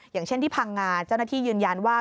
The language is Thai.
อย่างเช่นที่พังงาเจ้าหน้าที่ยืนยันว่า